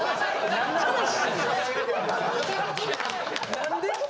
何で？